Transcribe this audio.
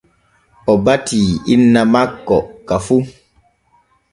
O batii inna makko ka fu.